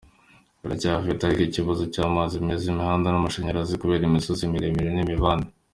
Baracyafite ariko ikibazo cy’amazi meza, imihanda n’amashanyarazi kubera imisozi miremire n’imibande.